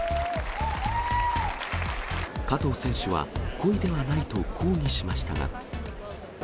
加藤選手は故意ではないと抗議しましたが。